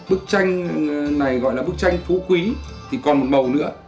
bức tranh này gọi là bức tranh phú quý thì còn một màu nữa